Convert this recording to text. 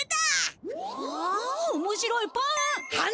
わあおもしろいパン！